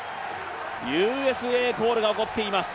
ＵＳＡコールが起こっています。